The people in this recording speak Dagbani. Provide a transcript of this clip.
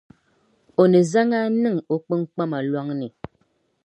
O ni zaŋ a niŋ o kpiŋkpama lɔŋ ni.